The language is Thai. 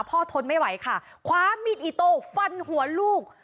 ทนไม่ไหวค่ะคว้ามีดอิโตฟันหัวลูก